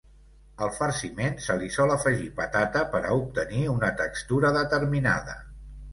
Al farciment se li sol afegir patata per a obtenir una textura determinada.